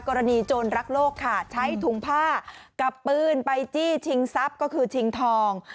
กรณีโจรรักโลกค่ะใช้ถุงผ้ากับปืนไปจี้ชิงทรัพย์ก็คือชิงทอง